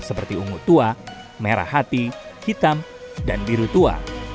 seperti ungu tua merah hati hitam dan biru tua